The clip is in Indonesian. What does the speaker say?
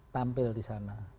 tampil di sana